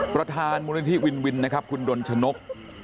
ประธานบริษัทวินวินนะครับคุณดนต์ชนก